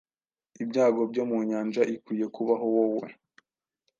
Ibyago byo mu nyanja ikwiye kubaho woe